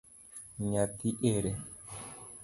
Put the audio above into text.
Nyathi ere?